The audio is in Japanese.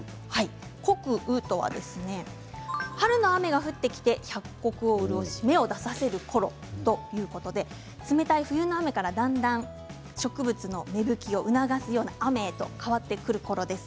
穀雨とは春の雨が降ってきて百穀を潤し芽を出させるころということで冷たい冬の雨からだんだん植物の芽吹きを促す雨へと変わってくるころです。